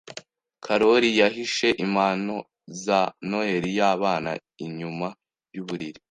Karoli yahishe impano za Noheri y'abana inyuma yuburiri.